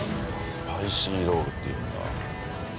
スパイシーロールっていうんだ。